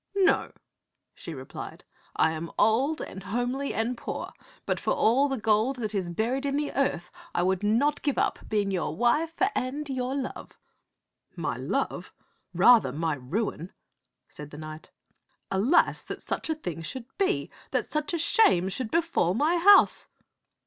" No," she replied. " I am old and homely and poor, but for all the gold that is buried in the earth I would not give up being your wife and your love." "My love? Rather, my ruin," said the knight. "Alas, that such a thing should be, that such a shame should befall my house!